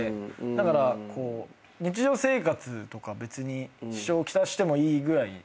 だから日常生活とか別に支障を来してもいいぐらいに思ってるんで。